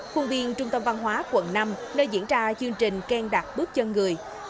khuôn viên trung tâm văn hóa quận năm nơi diễn ra chương trình khen đặt bước chân người